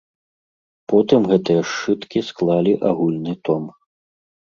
Потым гэтыя сшыткі склалі агульны том.